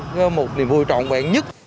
được niềm vui trọn vẹn nhất